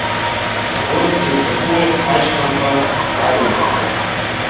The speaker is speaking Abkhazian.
Урҭ ирҿагылоит ҳашьхақәа, ҳарҩашқәа…